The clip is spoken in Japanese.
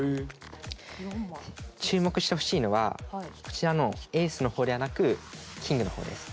注目してほしいのはこちらのエースの方ではなくキングの方です。